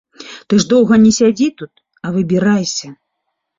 Ты ж доўга не сядзі тут, а выбірайся.